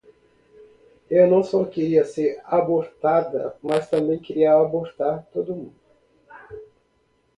Eu não só queria ser abortada mas queria abortar todo mundo!